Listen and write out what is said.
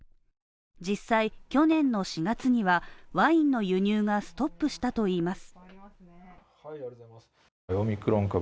実際、去年の４月にはワインの輸入がストップしたといいます。